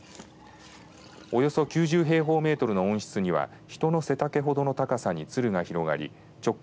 およそ９０平方メートルの温室には人の背丈ほどの高さにつるが広がり直径